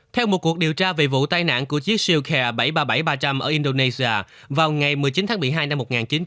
theo một cuộc điều tra về vụ tai nạn của chiếc silkair bảy trăm ba mươi bảy ba trăm linh ở indonesia vào ngày một mươi chín tháng một mươi hai năm một nghìn chín trăm chín mươi bảy